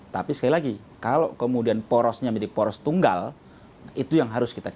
tapi sekali lagi kalau kemudian porosnya menjadi poros tunggal itu yang harus kita cari